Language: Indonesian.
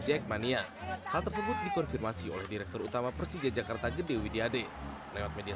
jackmania hal tersebut dikonfirmasi oleh direktur utama persija jakarta gede widiade lewat media